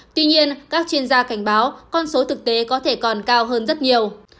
tuy nhiên các chuyên gia cảnh báo con số thực tế có thể còn cao hơn rất nhiều